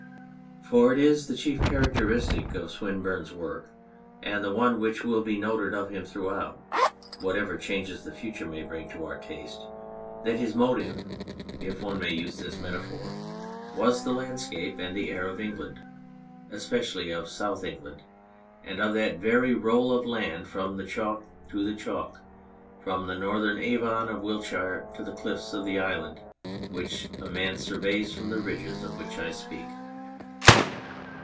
For it is the chief characteristic of Swinburne's work, and the one which will be noted of him throughout whatever changes the future may bring to our taste, that his motive (if one may use this 54 On a Poet metaphor) was the landscape and the air of England especially of South England and of that very roll of land from the chalk to the chalk, from the northern Avon of Wiltshire to the cliffs of the Island which a man surveys from the ridges of which I speak.